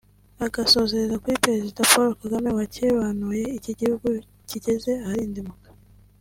agasozereza kuri Perezida Paul Kagame wakebanuye iki gihugu kigeze aharindimuka